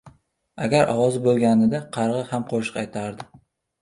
• Agar ovozi bo‘lganida qarg‘a ham qo‘shiq aytardi.